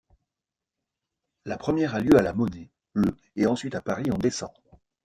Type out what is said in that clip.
La première a lieu à la Monnaie le et ensuite à Paris en décembre.